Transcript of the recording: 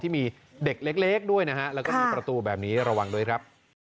ที่มีเด็กเล็กด้วยนะฮะแล้วก็มีประตูแบบนี้ระวังด้วยครับ